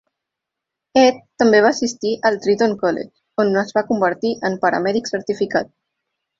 Ed també va assistir al Triton College on es va convertir en paramèdic certificat.